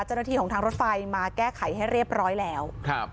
เจ้าหน้าที่ของทางรถไฟมาแก้ไขให้เรียบร้อยแล้วครับ